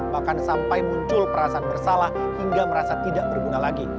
bahkan sampai muncul perasaan bersalah hingga merasa tidak berguna lagi